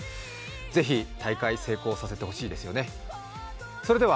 是非、大会成功させてほしいですよね。